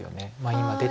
今出て。